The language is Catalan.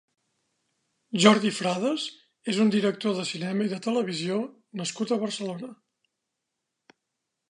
Jordi Frades és un director de cinema i de televisió nascut a Barcelona.